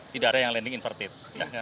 tidak ada yang landing inverted